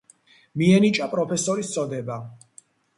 მიენიჭა პროფესორის წოდება.